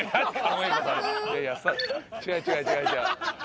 違う違う違う違う。